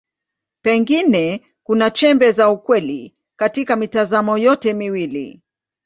Pengine kuna chembe za ukweli katika mitazamo yote miwili.